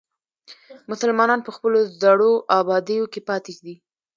مسلمانان په خپلو زړو ابادیو کې پاتې دي.